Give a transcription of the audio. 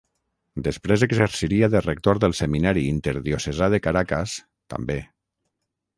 Després exerciria de rector del seminari interdiocesà de Caracas, també.